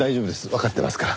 わかってますから。